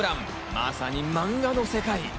まさに漫画の世界！